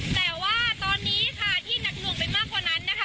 แต่ว่าตอนนี้ค่ะที่หนักหน่วงไปมากกว่านั้นนะคะ